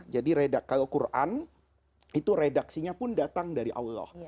jadi kalau quran itu redaksinya pun datang dari allah